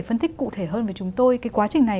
phân thích cụ thể hơn về chúng tôi cái quá trình này